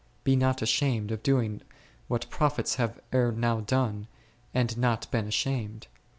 Be not ashamed of doing what prophets have ere now done, and not been ashamed.